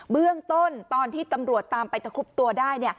เบื้องต้นตอนที่ตำรวจตามไปตะครุบตัวได้